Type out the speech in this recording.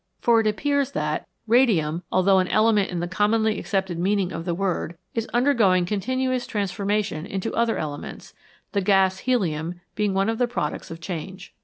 For it appears that radium, although an element in the commonly accepted meaning of the word, is under going continuous transformation into other elements, the gas, helium, being one of the products of change.